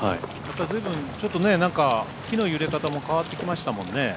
随分、木の揺れ方も変わってきましたもんね。